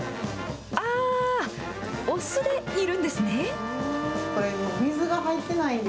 あー、お酢で煮るんですね。